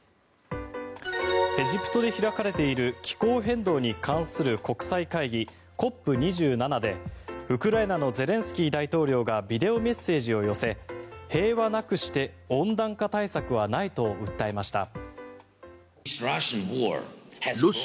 エジプトで開かれている気候変動に関する国際会議ＣＯＰ２７でウクライナのゼレンスキー大統領がビデオメッセージを寄せ平和なくして温暖化対策はないと訴えました。